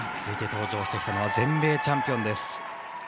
続いて登場してきたのは全米チャンピオンです。